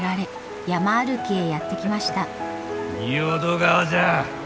仁淀川じゃ。